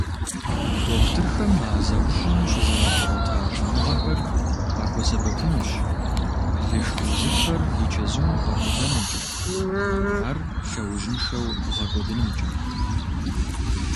Дохутырхэм а зэӀущӀэм щызэрагъэгъуэта щӀэныгъэхэр къахуэсэбэпынущ лышх узыфэр и чэзум къэхутэнымкӀэ, ар лъэужьыншэу гъэкӀуэдынымкӀэ.